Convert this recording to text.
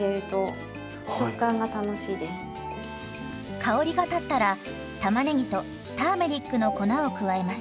香りが立ったらたまねぎとターメリックの粉を加えます。